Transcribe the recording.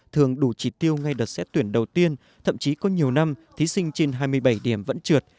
thường đủ chỉ tiêu ngay đợt xét tuyển đầu tiên thậm chí có nhiều năm thí sinh trên hai mươi bảy điểm vẫn trượt